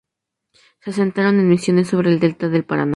Se asentaron en Misiones y sobre el Delta del Paraná.